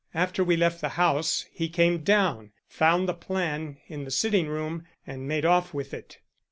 After we left the house he came down, found the plan in the sitting room and made off with it."